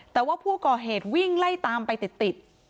แต่ว่าผู้ก่อเหตุวิ่งไล่ตามไปติด